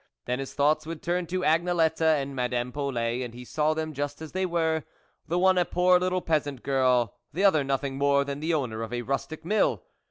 Then his thoughts would turn to Agnelette and Madame Polet, and he saw them just as they were, the one a poor little peasant girl, the other nothing more than the owner of a rustic mill.